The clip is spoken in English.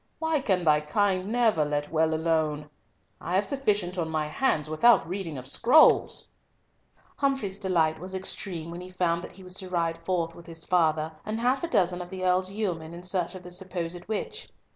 Why can thy kind never let well alone? I have sufficient on my hands without reading of scrolls!" Humfrey's delight was extreme when he found that he was to ride forth with his father, and half a dozen of the earl's yeomen, in search of the supposed witch.